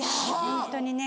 ホントにね